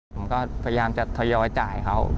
ผมก็พยายามจะทยอยจ่ายเขา